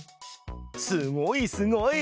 すごいすごい！